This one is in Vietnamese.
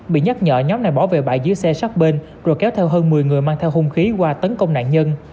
bị nhắc nhở nhóm này bỏ về bãi dưới xe sát bên rồi kéo theo hơn một mươi người mang theo hung khí qua tấn công nạn nhân